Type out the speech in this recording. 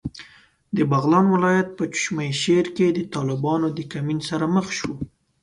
د بغلان ولایت په چشمشېر کې د طالبانو د کمین سره مخ شوو.